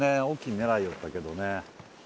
大っきいの狙いよったけどね